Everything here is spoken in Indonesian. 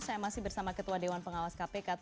seharusnya ini terjadi dengan teboyingan ajaran adikat